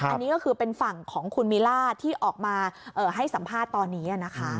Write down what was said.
อันนี้ก็คือเป็นฝั่งของคุณมิล่าที่ออกมาให้สัมภาษณ์ตอนนี้นะคะ